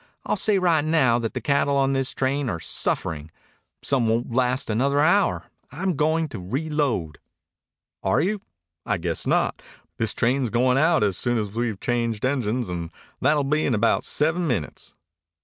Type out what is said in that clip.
I'll say right now that the cattle on this train are suffering. Some won't last another hour. I'm goin' to reload." "Are you? I guess not. This train's going out soon as we've changed engines, and that'll be in about seven minutes."